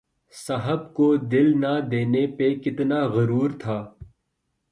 صاحب کو دل نہ دینے پہ کتنا غرور تھا